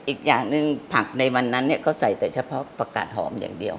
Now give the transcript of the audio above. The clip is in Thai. อีกอย่างหนึ่งผักในวันนั้นก็ใส่แต่เฉพาะผักกาดหอมอย่างเดียว